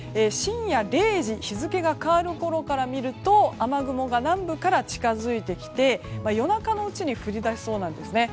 深夜０時日付が変わるころから見ると雨雲が南部から近づいてきて夜中のうちに降り出しそうです。